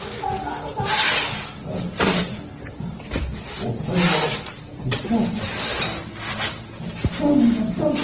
お二人も市川さんもガンバガンバ！